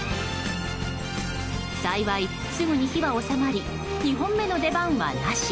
幸い、すぐに火は収まり２本目の出番はなし。